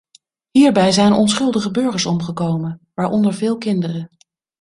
Hierbij zijn onschuldige burgers omgekomen, waaronder veel kinderen.